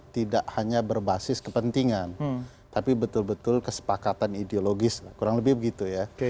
tidak hanya berbasis kepentingan tapi betul betul kesepakatan ideologis kurang lebih begitu ya